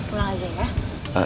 pulang aja ya